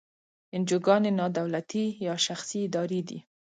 انجوګانې نا دولتي یا شخصي ادارې دي.